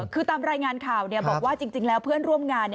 คือตามรายงานข่าวบอกว่าจริงแล้วเพื่อนร่วมงาน